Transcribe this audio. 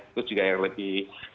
itu juga yang lebih